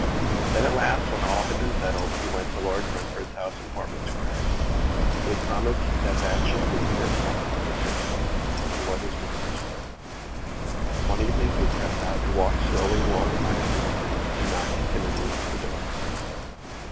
Then at last, when all this had been settled, he went to Lord Brentford's house in Portman Square. He had promised that that should be the first house he would visit, and he was as good as his word. One evening he crept out, and walked slowly along Oxford Street, and knocked timidly at the door.